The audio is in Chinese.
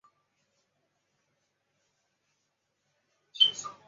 起士林。